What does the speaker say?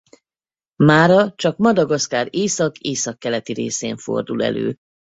Mára csak Madagaszkár észak-északkeleti részén fordul elő.